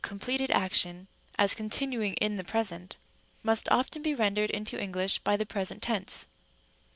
29 pleted action as continuing in the present, must often be rendered into English by the present tense.